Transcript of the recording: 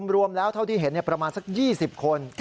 รวมแล้วเท่าที่เห็นประมาณสัก๒๐คน